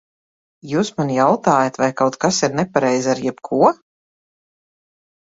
Jūs man jautājat, vai kaut kas ir nepareizi ar jebko?